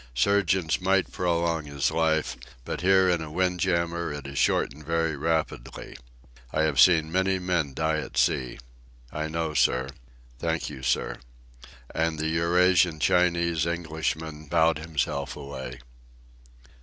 Surgeons might prolong his life, but here in a wind jammer it is shortened very rapidly. I have seen many men die at sea. I know, sir. Thank you, sir." And the Eurasian Chinese Englishman bowed himself away.